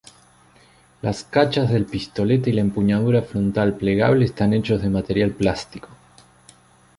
Las cachas del pistolete y la empuñadura frontal plegable están hechos de material plástico.